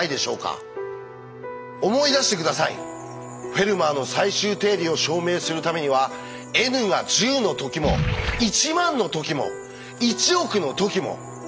「フェルマーの最終定理」を証明するためにはｎが１０の時も１万の時も１億の時も。